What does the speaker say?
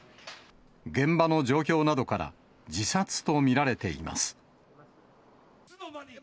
現場の状況などから、自殺と見られています。